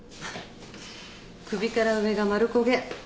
首から上が丸焦げ。